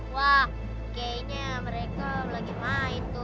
wah kayaknya mereka lagi main tuh